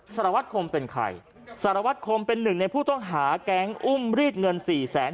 สารวัตรคมเป็นใครสารวัตรคมเป็นหนึ่งในผู้ต้องหาแก๊งอุ้มรีดเงินสี่แสน